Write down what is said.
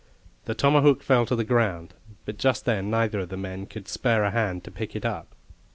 The tomahawk fell to the ground, but just then neither of the men could spare a hand to pick it up.